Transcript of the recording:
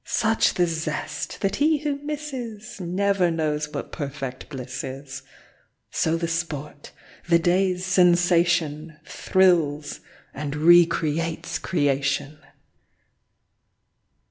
Such the zest that he who misses Never knows what perfect bliss is. So the sport, the day's sensation, Thrills and recreates creation.